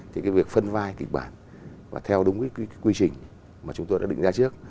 thì cái việc phân vai kịch bản và theo đúng cái quy trình mà chúng tôi đã định ra trước